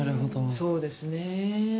そうですね。